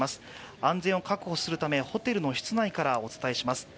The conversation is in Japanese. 安全を確保するためホテルの室内からお伝えします。